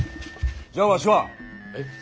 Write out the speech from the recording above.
じゃあわしは？えっ？